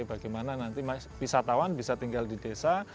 bagaimana nanti wisatawan bisa tinggal di desa